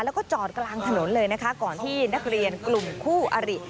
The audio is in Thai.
แล้วก็จอดกลางถนนเลยนะคะก่อนที่นักเรียนกลุ่มคู่อริ